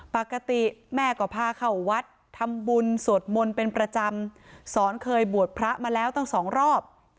ปกติแม่ก็พาเข้าวัดทำบุญสวดมนต์เป็นประจำสอนเคยบวชพระมาแล้วตั้งสองรอบ